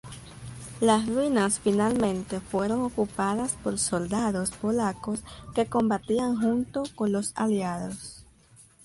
Las ruinas finalmente fueron ocupadas por soldados polacos que combatían junto con los Aliados.